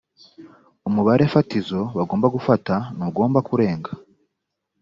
umubare fatizo bagomba gufata ntugomba kurenga